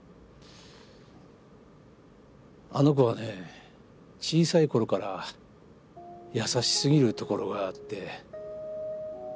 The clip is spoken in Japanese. あの子はね小さい頃から優し過ぎるところがあって。